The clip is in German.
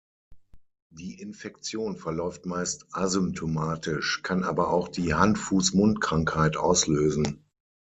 Die Infektion verläuft meist asymptomatisch, kann aber auch die Hand-Fuß-Mund-Krankheit auslösen.